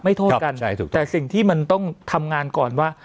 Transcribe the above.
โทษกันแต่สิ่งที่มันต้องทำงานก่อนว่า